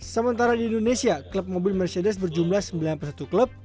sementara di indonesia klub mobil mercedes berjumlah sembilan puluh satu klub